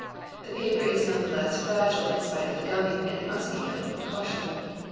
The paper is one the less fragile in spite of the gumming and it must be handled vith caution.